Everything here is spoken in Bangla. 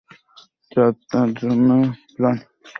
যার-তার জন্য প্লানচেট করতে পারবো না আমি।